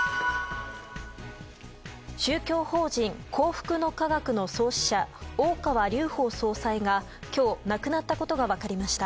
宗教法人・幸福の科学の創始者・大川隆法総裁が今日、亡くなったことが分かりました。